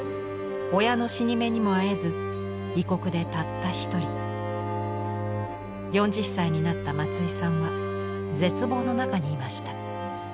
親の死に目にもあえず異国でたった一人４０歳になった松井さんは絶望の中にいました。